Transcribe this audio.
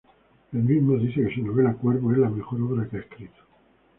Él mismo dice que su novela "Cuervo" es la mejor obra que ha escrito.